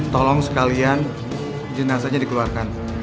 tolong sekalian jenazahnya dikeluarkan